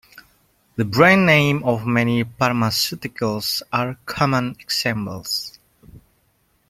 The brand names of many pharmaceuticals are common examples.